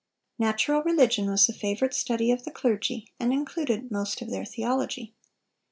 Natural religion was the favorite study of the clergy, and included most of their theology.